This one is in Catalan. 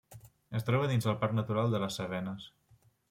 Es troba dins del parc natural de les Cevenes.